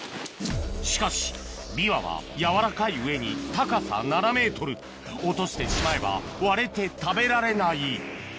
しかしビワはやわらかい上に高さ７ｍ落としてしまえば割れて食べられない